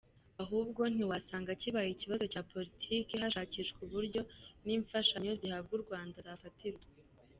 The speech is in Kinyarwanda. Ahubwo ntiwasanga kibaye ikibazo cya Politike hashakishwa uburyo ni imfashanyo zihabwa Urwanda zafatirwa.